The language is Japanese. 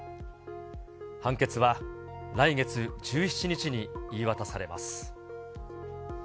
判決は来月１７日に言い渡されます。